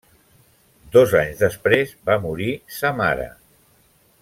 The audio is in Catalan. Dos anys després va morir sa mare.